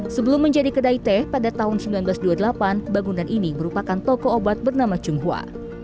sebelum menjadi kedai teh pada tahun seribu sembilan ratus dua puluh delapan bangunan ini merupakan toko obat bernama tionghoa